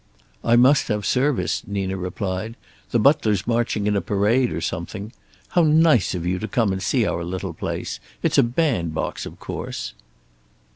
"I must have service," Nina replied. "The butler's marching in a parade or something. How nice of you to come and see our little place. It's a band box, of course."